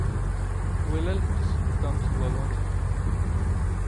Willelmus comes Bolonie.